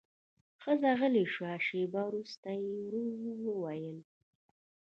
ښځه غلې شوه، شېبه وروسته يې ورو وويل: